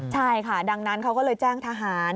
ใช่ค่ะดังนั้นเขาก็เลยแจ้งทหาร